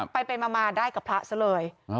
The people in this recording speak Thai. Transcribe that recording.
ไปมาได้กับพระซะเลย